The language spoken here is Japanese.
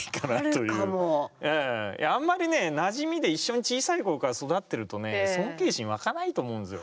いやあんまりねなじみで一緒に小さい頃から育ってるとね尊敬心湧かないと思うんですよ。